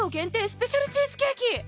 スペシャルチーズケーキ！